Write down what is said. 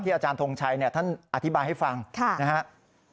อาจารย์ทงชัยท่านอธิบายให้ฟังนะครับ